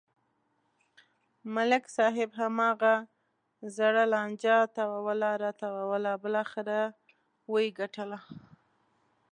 ملک صاحب هماغه زړه لانجه تاووله راتاووله بلاخره و یې گټله.